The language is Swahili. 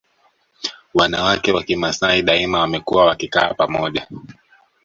Wanawake wa Kimasai daima wamekuwa wakikaa pamoja